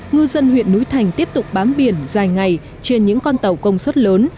ngư dân huyện núi thành tiếp tục bám biển dài ngày trên những con tàu công suất lớn